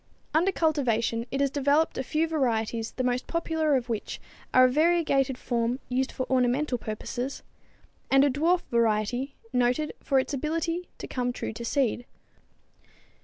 Under cultivation it has developed a few varieties the most popular of which are a variegated form used for ornamental purposes, and a dwarf variety noted for its ability to come true to seed.